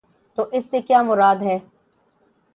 تو اس سے کیا مراد ہے؟